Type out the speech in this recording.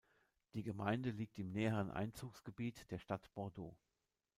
Die Gemeinde liegt im näheren Einzugsgebiet der Stadt Bordeaux.